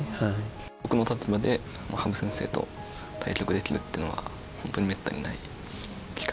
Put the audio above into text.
僕の立場で羽生先生と対局できるっていうのは、本当にめったにない機会。